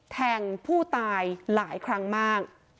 แทงผู้ตายหลายครั้งมาก